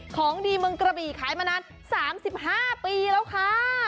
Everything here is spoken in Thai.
ของดีเมืองกระบี่ขายมานาน๓๕ปีแล้วค่ะ